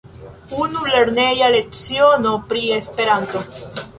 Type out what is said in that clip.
Unu lerneja leciono pri Esperanto!